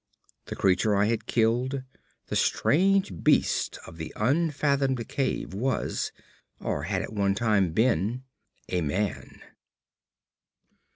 The creature I had killed, the strange beast of the unfathomed cave, was, or had at one time been a MAN!